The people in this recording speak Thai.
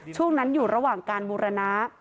ช่วงนั้นอยู่ระหว่างการบูรณะ